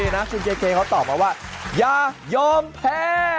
นักชื่อเคเคเขาตอบมาว่ายอมแพ้